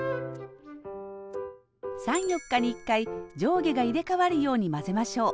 ３４日に１回上下が入れ代わるように混ぜましょう。